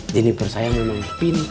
jeniper sayang memang pinter